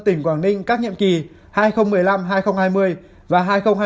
tỉnh quảng ninh các nhiệm kỳ hai nghìn một mươi năm hai nghìn hai mươi và hai nghìn hai mươi hai nghìn hai mươi năm